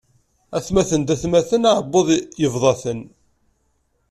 Atmaten d atmaten, aεebbuḍ yebḍa-ten.